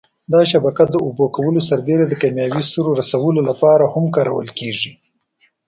دا شبکه د اوبه کولو سربېره د کېمیاوي سرو رسولو لپاره هم کارول کېږي.